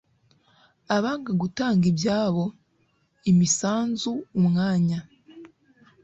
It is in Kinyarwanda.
abanga gutanga ibyabo (imisanzu, umwanya ...